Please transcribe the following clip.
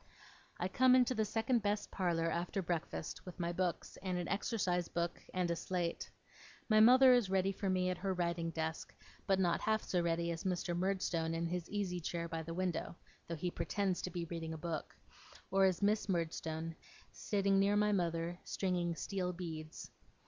I come into the second best parlour after breakfast, with my books, and an exercise book, and a slate. My mother is ready for me at her writing desk, but not half so ready as Mr. Murdstone in his easy chair by the window (though he pretends to be reading a book), or as Miss Murdstone, sitting near my mother stringing steel beads.